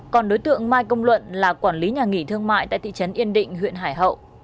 còn đối tượng mai công luận là quản lý nhà nghỉ thương mại tại thị trấn yên định huyện hải hậu